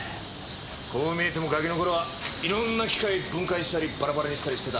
こう見えてもガキの頃はいろんな機械分解したりバラバラにしたりしてた。